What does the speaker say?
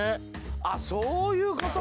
あっそういうことか！